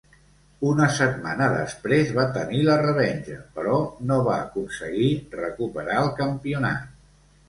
Una setmana després va tenir la revenja, però no va aconseguir recuperar el campionat.